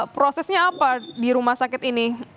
prosesnya apa di rumah sakit ini